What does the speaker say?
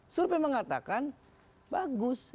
surupin mengatakan bagus